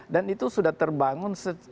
dan itu sudah terbangun